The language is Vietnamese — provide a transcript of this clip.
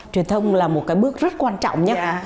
truyền thông là một cái bước rất quan trọng nhất